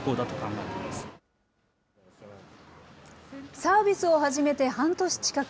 サービスを始めて半年近く。